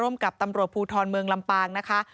กับตำรวจภูทรเมืองลำปางนะคะ